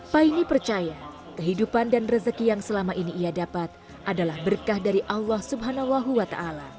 paine percaya kehidupan dan rezeki yang selama ini ia dapat adalah berkah dari allah swt